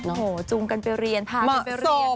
โอ้โหจูงกันไปเรียนพากันไปเรียน